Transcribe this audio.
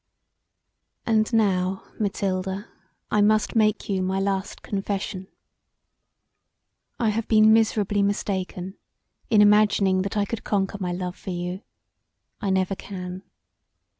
"And now, Mathilda I must make you my last confession. I have been miserably mistaken in imagining that I could conquer my love for you; I never can.